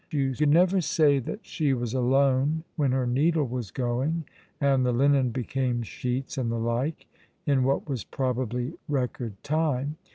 You could never say that she was alone when her needle was going, and the linen became sheets and the like, in what was probably record time.